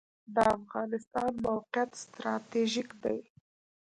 د افغانستان موقعیت ستراتیژیک دی